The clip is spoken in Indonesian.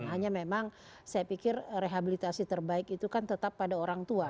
hanya memang saya pikir rehabilitasi terbaik itu kan tetap pada orang tua